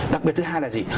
đặc biệt thứ hai là gì